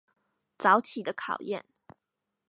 早起的考驗